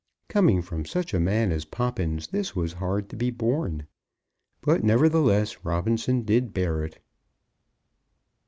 Coming from such a man as Poppins, this was hard to be borne. But nevertheless Robinson did bear it.